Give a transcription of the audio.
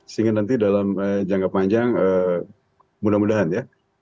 sehingga nanti dalam jangka panjang mudah mudahan ya